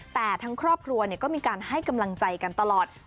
แต่ทั้งครอบครัวก็มีการให้กำลังใจกันตลอด